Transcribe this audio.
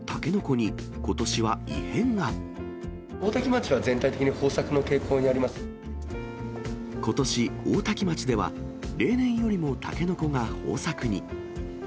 大多喜町は全体的に豊作の傾ことし、大多喜町では例年よりもタケノコが豊作に。